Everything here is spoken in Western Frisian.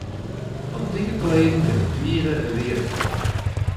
Antike kleden binne tige weardefol.